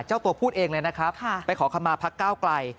เจ้าตัวพูดเองเลยนะครับไปขอคำมาพักก้าวไกล